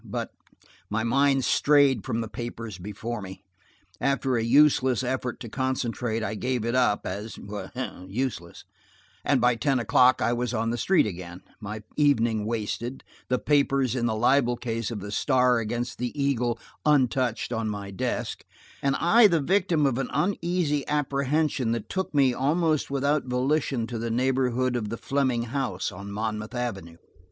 But my mind strayed from the papers before me. After a useless effort to concentrate, I gave it up as useless, and by ten o'clock I was on the street again, my evening wasted, the papers in the libel case of the Star against the Eagle untouched on my desk, and I the victim of an uneasy apprehension that took me, almost without volition, to the neighborhood of the Fleming house on Monmouth Avenue.